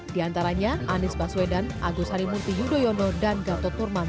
di antaranya anies baswedan agus harimunti yudhoyono dan gatotur mantio